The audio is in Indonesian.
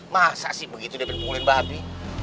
masa sih begitu udah bener bener mukulin babi